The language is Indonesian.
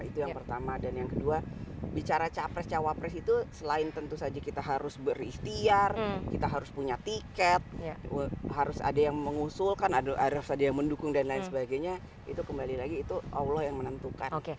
itu yang pertama dan yang kedua bicara capres cawapres itu selain tentu saja kita harus berikhtiar kita harus punya tiket harus ada yang mengusulkan ada yang mendukung dan lain sebagainya itu kembali lagi itu allah yang menentukan